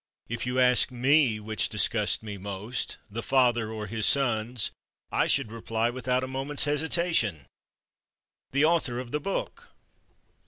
If you ask me which disgusts me most, the Father or his sons, I should reply without a moment's hesitation—the Author of the book!